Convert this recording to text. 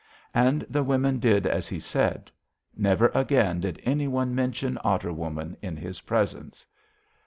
"And the women did as he said. Never again did any one mention Otter Woman in his presence."